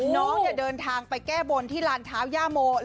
เดินทางไปแก้บนที่ลานเท้าย่าโม